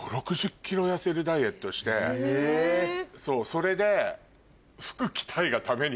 それで。